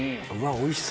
おいしい。